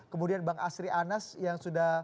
kemudian bang asri anas yang sudah